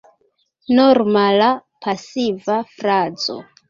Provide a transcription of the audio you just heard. Normala pasiva frazo.